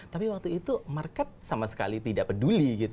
tapi waktu itu market sama sekali tidak peduli